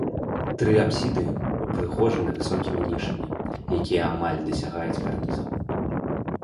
Тры апсіды ўпрыгожаны высокімі нішамі, якія амаль дасягаюць карнізаў.